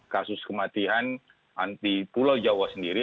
kasus kematian di pulau jawa sendiri